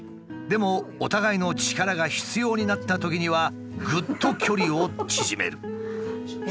でもお互いの力が必要になったときにはぐっと距離を縮める。